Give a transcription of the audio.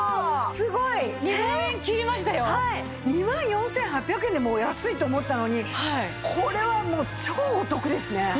２万４８００円でもう安いと思ったのにこれはもう超お得ですね。